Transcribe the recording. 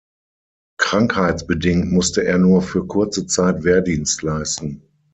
Krankheitsbedingt musst er nur für kurze Zeit Wehrdienst leisten.